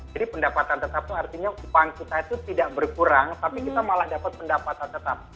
jadi pendapatan tetap itu artinya upaya kita itu tidak berkurang tapi kita malah dapat pendapatan tetap